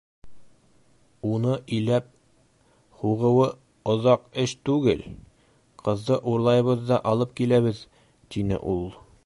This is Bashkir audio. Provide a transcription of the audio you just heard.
— Уны иләп һуғыуы оҙаҡ эш түгел, ҡыҙҙы урлайбыҙ ҙа алып киләбеҙ, — тине ул.